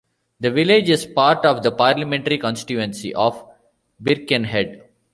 The village is part of the parliamentary constituency of Birkenhead.